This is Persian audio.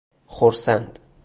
خرسند